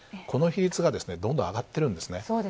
この比率が、どんどん上がっているんですね。